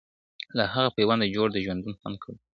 له هغه پیونده جوړ د ژوندون خوند کړي `